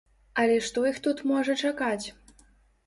Але што іх тут можа чакаць?